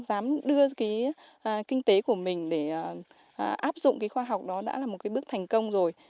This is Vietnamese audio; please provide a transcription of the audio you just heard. dám đưa kinh tế của mình để áp dụng khoa học đó đã là một bước thành công rồi